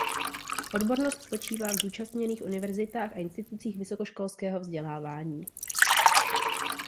Odbornost spočívá v zúčastněných univerzitách a institucích vysokoškolského vzdělávání.